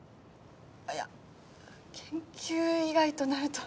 いや研究以外となると。